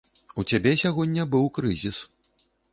У цябе сягоння быў крызіс.